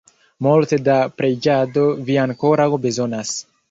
Multe da preĝado vi ankoraŭ bezonas!